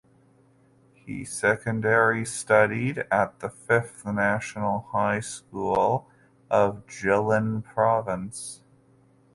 He secondary studied at the Fifth National High School of Jilin Province.